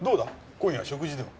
今夜食事でも。